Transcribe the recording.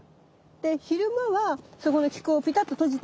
で昼間はそこの気孔をピタッと閉じた